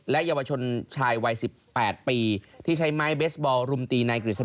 และเยาวชนชายวัย๑๘ปีที่ใช้ไม้เบสบอลรุมตีในกริศดา